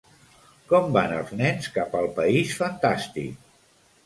Com van els nens cap al país fantàstic?